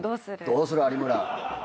どうする有村。